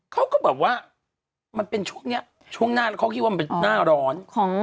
เขาก็แบบว่ามันเป็นช่วงนี้ช่วงหน้าแล้วเขาคิดว่ามันเป็นหน้าร้อน